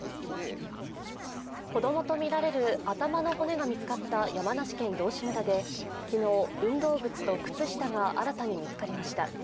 子供とみられる頭の骨が見つかった山形県道志村で昨日、運動靴と靴下が新たに見つかりました。